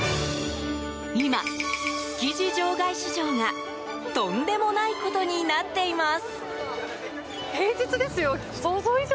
今、築地場外市場がとんでもないことになっています。